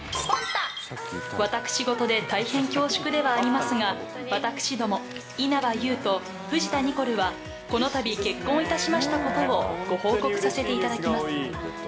私事で大変恐縮ではありますが、私ども、稲葉友と藤田ニコルはこのたび、結婚いたしましたことをご報告させていただきます。